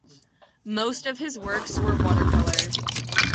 Most of his works were watercolors.